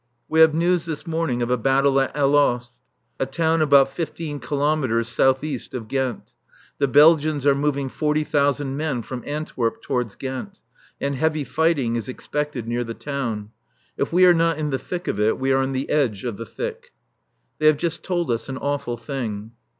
We have news this morning of a battle at Alost, a town about fifteen kilometres south east of Ghent. The Belgians are moving forty thousand men from Antwerp towards Ghent, and heavy fighting is expected near the town. If we are not in the thick of it, we are on the edge of the thick. They have just told us an awful thing.